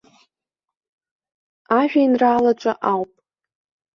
Ажәеинраалаҿы ауп.